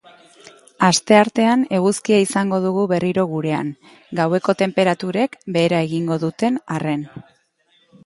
Asteartean eguzkia izango dugu berriro gurean, gaueko tenperaturek behera egingo duten arren.